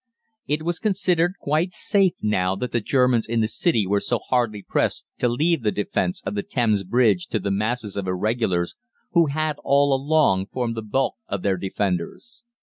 "It was considered quite safe now that the Germans in the City were so hardly pressed to leave the defence of the Thames bridges to the masses of Irregulars who had all along formed the bulk of their defenders.